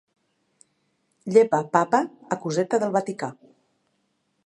Llepapapa: acuseta del Vaticà.